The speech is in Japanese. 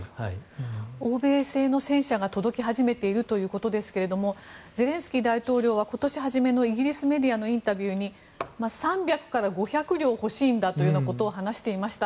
欧米製の戦車が届き始めているということですがゼレンスキー大統領は今年初めてのイギリスメディアのインタビューに３００から５００両欲しいんだということを話していました。